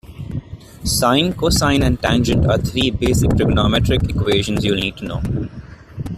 Sine, cosine and tangent are three basic trigonometric equations you'll need to know.